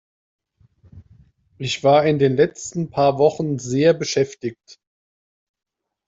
Ich war in den letzten paar Wochen sehr beschäftigt.